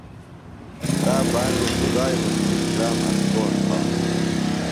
تا باندیۡ خدائی مُشکِل کرام اسکون تھانوۡ۔